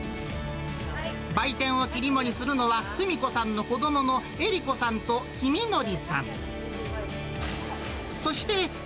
売店を切り盛りするのは、史子さんの子どもの恵里子さんと公徳さん。